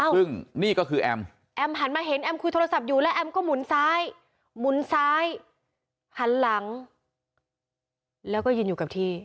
ซึ่งนี่ก็คือแอมก็มุนซ้ายหันหลังแล้วยืนอยู่กับที่